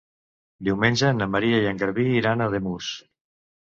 Diumenge na Maria i en Garbí iran a Ademús.